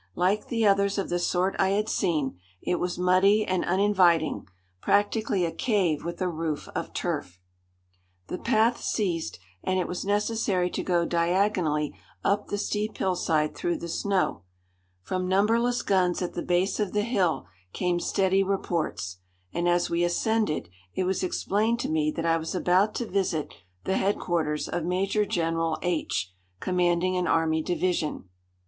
Like the others of the sort I had seen, it was muddy and uninviting, practically a cave with a roof of turf. The path ceased, and it was necessary to go diagonally up the steep hillside through the snow. From numberless guns at the base of the hill came steady reports, and as we ascended it was explained to me that I was about to visit the headquarters of Major General H , commanding an army division.